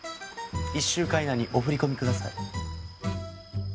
１週間以内にお振り込みください。